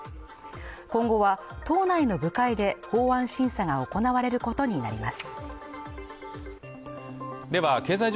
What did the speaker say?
今後は党内の部会で法案審査が行われることになります